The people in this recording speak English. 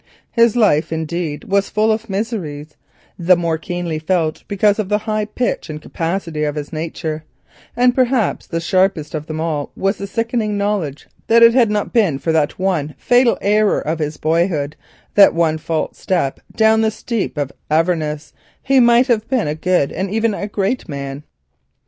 His life, indeed, was full of miseries, the more keenly felt because of the high pitch and capacity of his nature, and perhaps the sharpest of them all was the sickening knowledge that had it not been for that one fatal error of his boyhood, that one false step down the steep of Avernus, he might have been a good and even a great man.